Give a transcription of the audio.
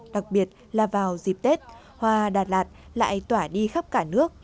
đặc biệt là vào dịp tết hoa đà lạt lại tỏa đi khắp cả nước